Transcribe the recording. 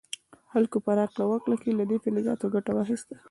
خلکو په راکړه ورکړه کې له دې فلزاتو ګټه واخیسته.